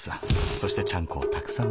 そしてちゃんこをたくさん食べる。